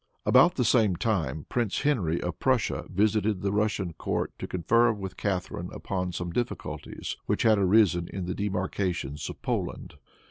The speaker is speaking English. About the same time Prince Henry of Prussia visited the Russian court to confer with Catharine upon some difficulties which had arisen in the demarcations of Poland.